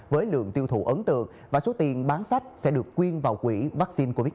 với lượng tiêu thụ ấn tượng và số tiền bán sách sẽ được quyên vào quỹ vaccine covid một mươi chín